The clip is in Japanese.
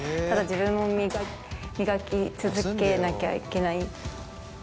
ただ自分も磨き続けなきゃいけない。